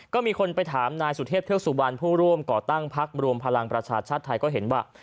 ก็มีคนไปถามนายสุเทพเทือกสุบันผู้ร่วมก่อตั้งพักรวมพลังประชาชาติไทยก็เห็นว่า